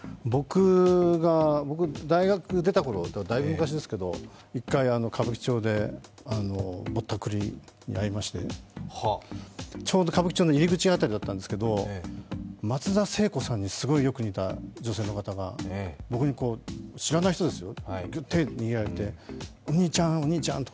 僕、大学出たころだいぶ昔ですけど１回、歌舞伎町でぼったくりに遭いまして、ちょうど歌舞伎町の入り口辺りだったんですけど、松田聖子さんにすごいよく似た女性の方が、僕に、知らない人ですよ、手、握られて、お兄ちゃんお兄ちゃんと、